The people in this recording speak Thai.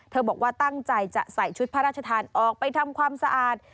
บอกว่าตั้งใจจะใส่ชุดพระราชทานออกไปทำความสะอาด